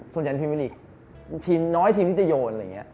ส่วนแค่พรีเมอร์ลีกทีมน้อยเงี้ยทีมที่จะโยน